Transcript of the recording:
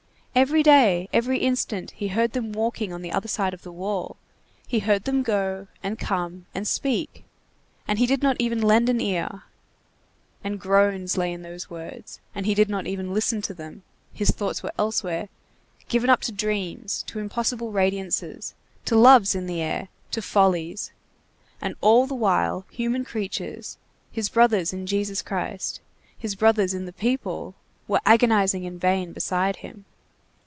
Every day, every instant, he heard them walking on the other side of the wall, he heard them go, and come, and speak, and he did not even lend an ear! And groans lay in those words, and he did not even listen to them, his thoughts were elsewhere, given up to dreams, to impossible radiances, to loves in the air, to follies; and all the while, human creatures, his brothers in Jesus Christ, his brothers in the people, were agonizing in vain beside him!